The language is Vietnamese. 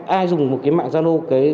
ai dùng một cái mạng zano